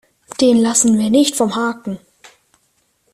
Den lassen wir nicht vom Haken.